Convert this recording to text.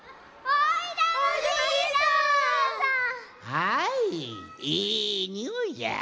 はいいいにおいじゃ。